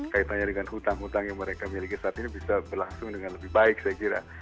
kaitannya dengan hutang hutang yang mereka miliki saat ini bisa berlangsung dengan lebih baik saya kira